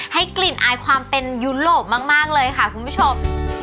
ให้กลิ่นอายความเป็นยุโรปมากเลยค่ะคุณผู้ชม